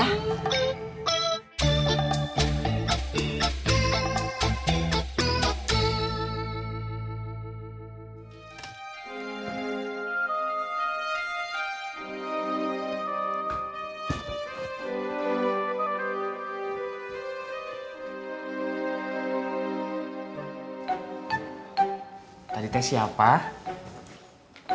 kisah tentang para nabi dan rosul untuk anak anak